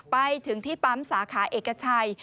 ไปถึงที่ปั๊มสาขาเอกชัย